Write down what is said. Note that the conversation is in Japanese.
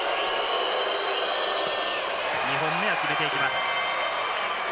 ２本目は決めていきます。